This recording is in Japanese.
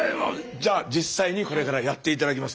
じゃあ実際にこれからやって頂きます。